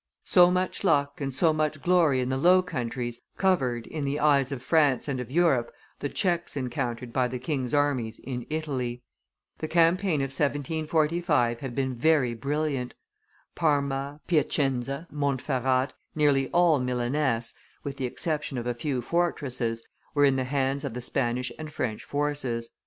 So much luck and so much glory in the Low Countries covered, in the eyes of France and of Europe, the checks encountered by the king's armies in Italy. The campaign of 1745 had been very brilliant. Parma, Piacenza, Montferrat, nearly all Milaness, with the exception of a few fortresses, were in the hands of the Spanish and French forces.